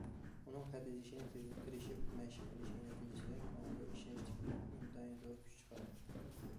ئۇنىڭ خەت يېزىشنى تېرىشىپ مەشىق قىلىشى نەتىجىسىدە، كۆڭلىدە ئىشەنچ تىكلىنىپ، ئىنتايىن زور كۈچ چىقاردى.